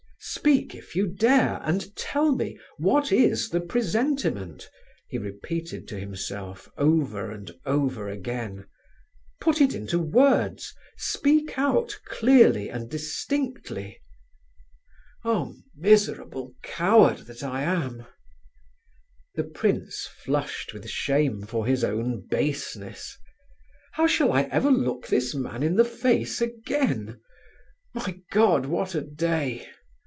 "Speak if you dare, and tell me, what is the presentiment?" he repeated to himself, over and over again. "Put it into words, speak out clearly and distinctly. Oh, miserable coward that I am!" The prince flushed with shame for his own baseness. "How shall I ever look this man in the face again? My God, what a day!